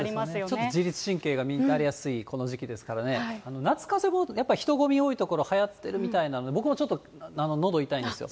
ちょっと自律神経が乱れやすいこの時期ですからね、夏かぜもやっぱり人混み多い所、はやってるみたいなので、僕もちょっとのど痛いんですよ。